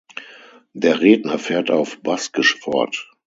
Der Redner fährt auf Baskisch fort.